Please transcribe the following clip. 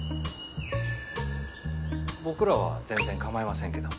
僕らは全然構いませんけど。